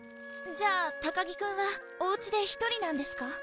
じゃあ高木くんはおうちで１人なんですか？